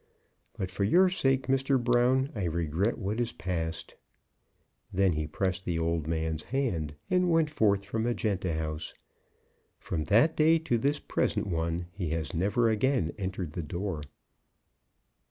But for your sake, Mr. Brown, I regret what is past." Then he pressed the old man's hand and went forth from Magenta House. From that day to this present one he has never again entered the door.